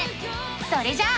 それじゃあ。